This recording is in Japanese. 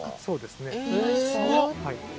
すごっ！